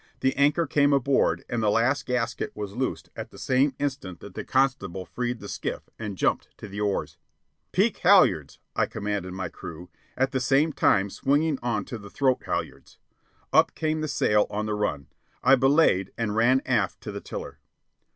The anchor came aboard and the last gasket was loosed at the same instant that the constable freed the skiff and jumped to the oars. "Peak halyards!" I commanded my crew, at the same time swinging on to the throat halyards. Up came the sail on the run. I belayed and ran aft to the tiller.